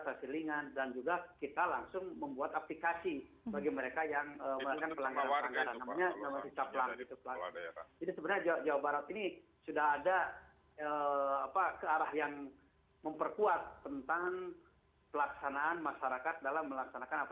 targetnya kapan pak wagup